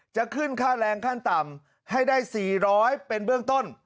จะขึ้นค่าแรงขั้นต่ำให้ได้๔๐๐เป็นเบื้องต้น